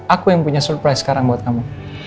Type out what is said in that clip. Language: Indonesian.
aku yang punya surprise sekarang buat kamu